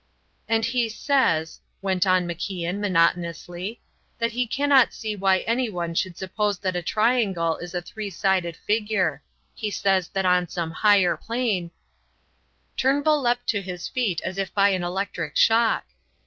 "And he says," went on MacIan, monotonously, "that he cannot see why anyone should suppose that a triangle is a three sided figure. He says that on some higher plane " Turnbull leapt to his feet as by an electric shock.